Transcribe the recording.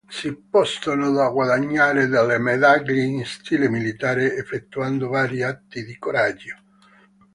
Si possono guadagnare delle medaglie in stile militare effettuando vari atti di coraggio.